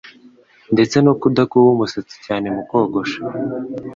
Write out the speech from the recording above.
ndetse no kudakuba umusatsi cyane mu kogosha,